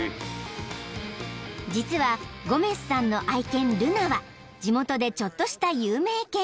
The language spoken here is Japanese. ［実はゴメスさんの愛犬ルナは地元でちょっとした有名犬］